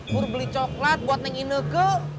pur beli coklat buat nenginegok